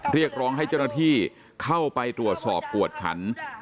เรียกร้องให้เจ้าหน้าที่เข้าไปตรวจสอบกวดขัน